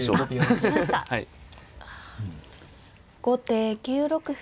後手９六歩。